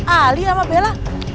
alih sama bella